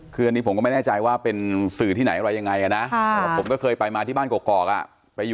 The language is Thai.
คืออันนี้ผมก็ไม่แน่ใจว่าเป็นสื่อที่ไหนอะไรยังไงอะนะ